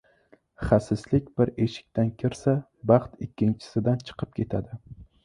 • Xasislik bir eshikdan kirsa, baxt ikkinchisidan chiqib ketadi.